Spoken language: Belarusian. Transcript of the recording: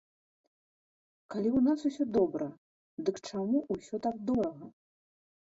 Калі ў нас усё добра, дык чаму ўсё так дорага?